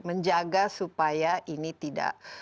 menjaga supaya ini tidak